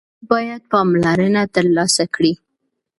ژبه باید پاملرنه ترلاسه کړي.